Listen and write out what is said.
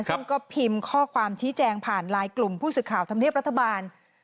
ซึ่งก็พิมพ์ข้อความชี้แจงผ่านไลน์กลุ่มผู้สื่อข่าวธรรมเนียบรัฐบาล